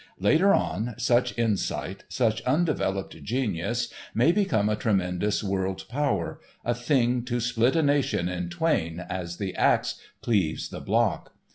Later on, such insight, such undeveloped genius may become a tremendous world power, a thing to split a nation in twain as the axe cleaves the block.